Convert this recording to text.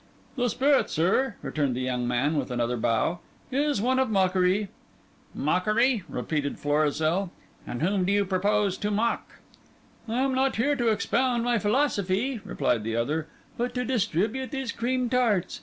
"The spirit, sir," returned the young man, with another bow, "is one of mockery." "Mockery?" repeated Florizel. "And whom do you propose to mock?" "I am not here to expound my philosophy," replied the other, "but to distribute these cream tarts.